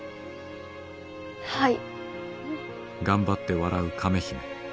はい。